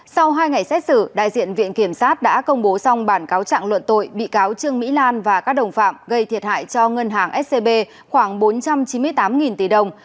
sau hai ngày xét xử đại diện viện kiểm sát đã công bố xong bản cáo trạng luận tội bị cáo trương mỹ lan và các đồng phạm gây thiệt hại cho ngân hàng scb khoảng bốn trăm chín mươi tám tỷ đồng